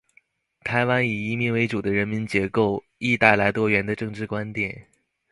台湾以移民为主的人文结构，亦带来多元的政治观点。